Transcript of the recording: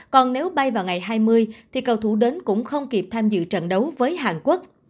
còn nếu bay vào ngày hai mươi thì cầu thủ đến cũng không kịp tham dự trận đấu với hàn quốc